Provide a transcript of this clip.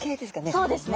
そうですね。